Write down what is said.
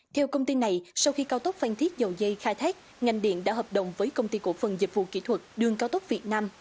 theo công ty này sau khi cao tốc phan thiết dầu dây khai thác ngành điện đã hợp đồng với công ty cổ phần dịch vụ kỹ thuật đường cao tốc việt nam